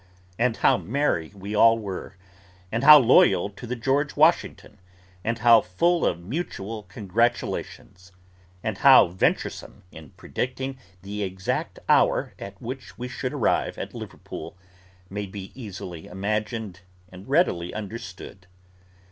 And how merry we all were, and how loyal to the George Washington, and how full of mutual congratulations, and how venturesome in predicting the exact hour at which we should arrive at Liverpool, may be easily imagined and readily understood.